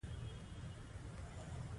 دا مادي وسایل د ژوند د دوام لپاره ضروري دي.